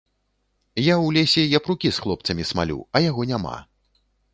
Я ў лесе япрукі з хлопцамі смалю, а яго няма.